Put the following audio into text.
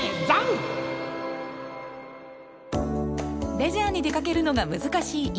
レジャーに出かけるのが難しい今。